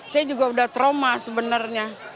saya juga udah trauma sebenarnya